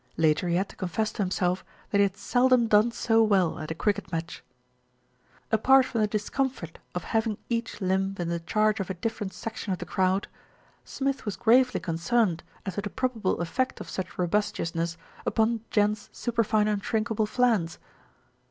Later he had to confess to himself that he had seldom done so well at a cricket match. Apart from the discomfort of having each limb in 216 THE RETURN OF ALFRED the charge of a different section of the crowd, Smith was gravely concerned as to the probable effect of such robustiousness upon "Gents' Superfine Unshrinkable Flans."